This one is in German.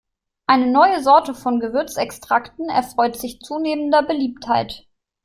Eine neue Sorte von Gewürzextrakten erfreut sich zunehmender Beliebtheit.